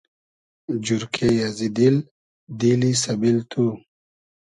جورکې ازی دیل، دیلی سئبیل تو